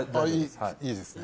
いいですね。